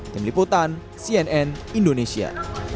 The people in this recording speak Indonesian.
tim liputan cnn indonesia